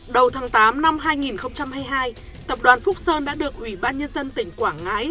đầu tháng tám năm hai nghìn hai mươi hai tập đoàn phúc sơn đã được ủy ban nhân dân tỉnh quảng ngãi